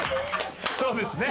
そうですね。